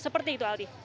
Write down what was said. seperti itu aldi